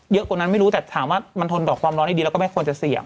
กว่านั้นไม่รู้แต่ถามว่ามันทนต่อความร้อนได้ดีแล้วก็ไม่ควรจะเสี่ยง